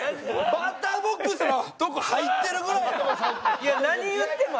バッターボックスのとこ入ってるぐらいやろ。